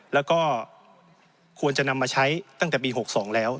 แล้วก็ควรจะนำมาใช้ตั้งแต่ปี๖๒แล้ว